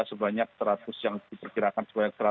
sebanyak seratus yang diperkirakan